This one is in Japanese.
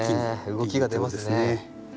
動きが出ますね。